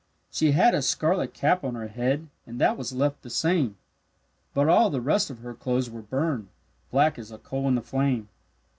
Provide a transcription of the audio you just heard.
She had a scarlet cap on her head, And that was left the same, But all the rest of her clothes were burned Black as a coal in the flame.